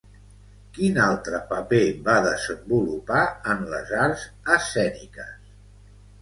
Quin altre paper va desenvolupar en les arts escèniques?